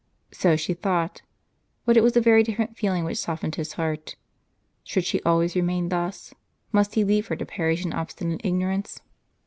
So she thought; but it was a very different feeling which softened his heart. Should she always remain thus? Must he leave her to perish in obstinate ignorance